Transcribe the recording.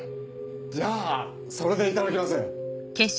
じゃあそれでいただきます。